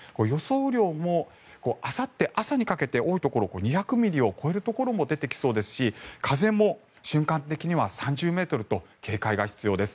雨量もあさって朝にかけて多いところは２００ミリを超えるところも出てきそうですし風も瞬間的には３０ｍと警戒が必要です。